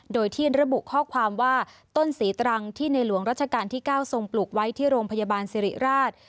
โดยที่ระบุข้อความว่าต้นศรีตรังที่ในหลวงรัชกาลที่๙ทรงปลูกไว้ที่โรงพยาบาลสิริราช